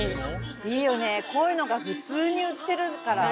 いいよね、こういうのが普通に売ってるから。